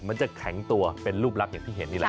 มันจะแข็งตัวเป็นรูปลักษณ์อย่างที่เห็นนี่แหละ